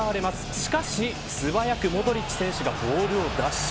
しかし、素早くモドリッチ選手がボールを奪取。